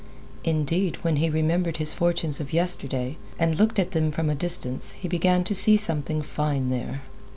Indeed, when he remembered his fortunes of yesterday, and looked at them from a distance he began to see something fine there.